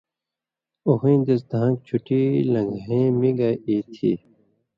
اُو ہُویں دیسہۡ دھان٘ک چُھٹی لن٘گھَیں می گائ ای تھی۔